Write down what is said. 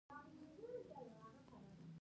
بادام د افغان کورنیو د دودونو مهم عنصر دی.